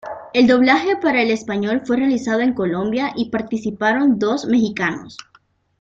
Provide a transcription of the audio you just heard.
El doblaje para el español fue realizado en Colombia y participaron dos mexicanos.